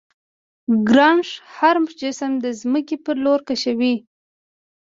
ګرانش هر جسم د ځمکې پر لور کشوي.